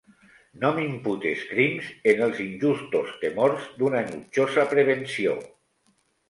No m'imputes crims en els injustos temors d'una enutjosa prevenció.